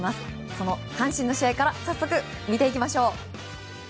その阪神の試合から早速見ていきましょう！